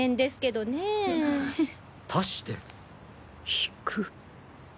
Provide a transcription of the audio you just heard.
引く。